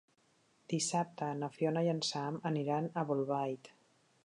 Dissabte na Fiona i en Sam aniran a Bolbait.